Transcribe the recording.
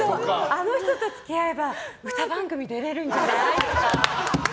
あの人と付き合えば歌番組出れるんじゃない？とか。